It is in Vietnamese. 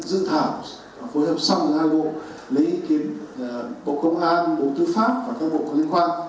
dựng thảo và phối hợp xong hai bộ lấy kiếm bộ công an bộ tư pháp và các bộ liên quan